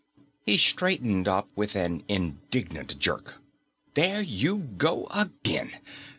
He straightened up with an indignant jerk. "There you go again!